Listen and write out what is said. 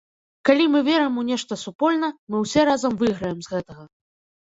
Калі мы верым у нешта супольна, мы ўсе разам выйграем з гэтага.